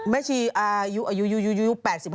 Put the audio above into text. แล้วอายุเท่าไหร่พี่